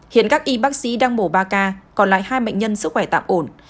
hiện các y bác sĩ đang bổ ba ca còn lại hai mệnh nhân sức khỏe tạm ổn